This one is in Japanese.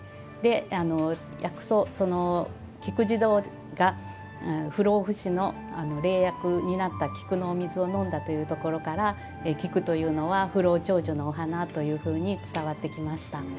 薬草、菊慈童が不老不死の霊薬を担った菊の水を飲んだところから菊というのは不老長寿のお花というふうに伝わってきました。